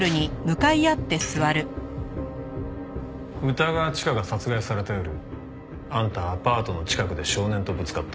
歌川チカが殺害された夜あんたはアパートの近くで少年とぶつかった。